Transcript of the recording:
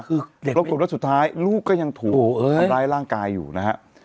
คือปรากฏว่าสุดท้ายลูกก็ยังถูกทำร้ายร่างกายอยู่นะฮะ